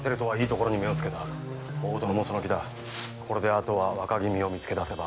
あとは若君を見つけ出せば。